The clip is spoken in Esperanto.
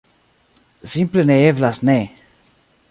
Simple ne eblas ne.